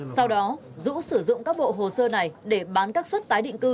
sau đó dũ sử dụng các bộ hồ sơ này để bán các suất tái định cư